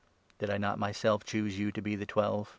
" Did not I myself choose you to be the Twelve?"